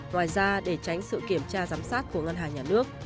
ngoài ra để tránh sự kiểm tra giám sát của ngân hàng nhà nước